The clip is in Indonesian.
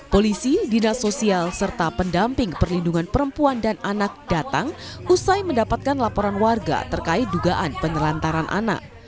polisi dinas sosial serta pendamping perlindungan perempuan dan anak datang usai mendapatkan laporan warga terkait dugaan penelantaran anak